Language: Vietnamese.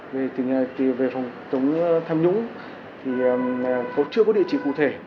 về phòng chống tham nhũng thì chưa có địa chỉ cụ thể